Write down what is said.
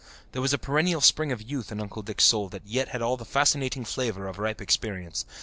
There was a perennial spring of youth in Uncle Dick's soul that yet had all the fascinating flavour of ripe experience.